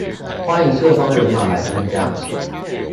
歡迎各方人馬來參加